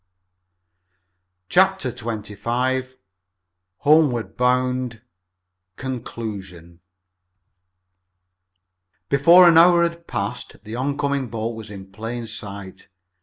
CHAPTER XXV HOMEWARD BOUND CONCLUSION Before an hour had passed the oncoming boat was in plain sight.